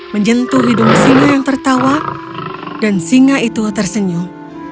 menjentuh hidung singa yang tertawa dan singa itu tersenyum